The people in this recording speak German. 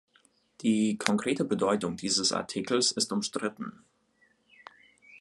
Die konkrete Bedeutung dieses Artikels ist umstritten.